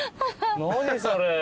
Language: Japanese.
何それ。